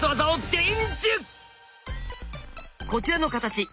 こちらの形。